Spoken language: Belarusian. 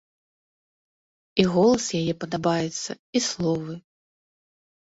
І голас яе падабаецца, і словы.